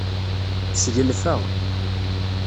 Sgelfeɣ.